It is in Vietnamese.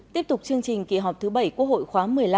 tiếp tục chương trình kỳ họp thứ bảy quốc hội khóa một mươi năm